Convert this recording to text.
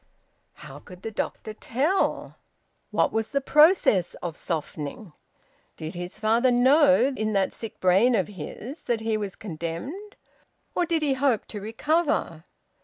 How could the doctor tell? What was the process of softening? Did his father know, in that sick brain of his, that he was condemned; or did he hope to recover?